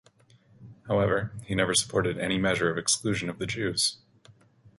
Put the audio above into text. However, he never supported any measure of exclusion of the Jews.